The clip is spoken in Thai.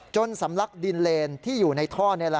สำลักดินเลนที่อยู่ในท่อ